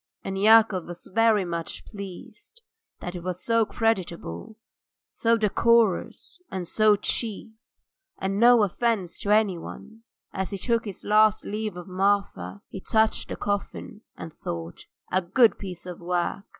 ... And Yakov was very much pleased that it was so creditable, so decorous, and so cheap, and no offence to anyone. As he took his last leave of Marfa he touched the coffin and thought: "A good piece of work!"